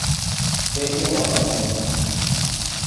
Be ing'uono ne?